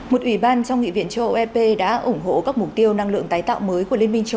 một ủy ban trong nghị viện châu âu ep đã ủng hộ các mục tiêu năng lượng tái tạo mới của liên minh châu âu